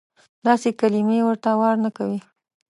داسې کلیمې ورته واره نه کوي.